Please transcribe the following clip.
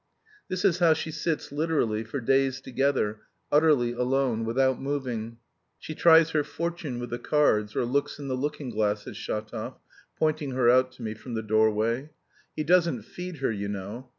"This is how she sits literally for days together, utterly alone, without moving; she tries her fortune with the cards, or looks in the looking glass," said Shatov, pointing her out to me from the doorway. "He doesn't feed her, you know.